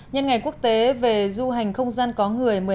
nhân ngày quốc tế về du hành không gian có người